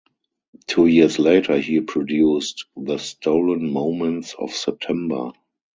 Two years later he produced "The Stolen Moments of September".